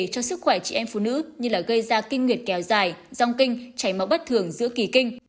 cho sức khỏe chị em phụ nữ như là gây ra kinh nguyệt kéo dài rong kinh chảy máu bất thường giữa kỳ kinh